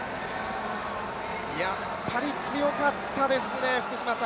やっぱり強かったですね。